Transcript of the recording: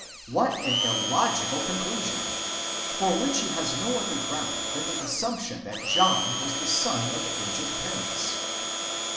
What an illogical conclusion! for which he has no other ground than the assumption that John was the son of aged parents.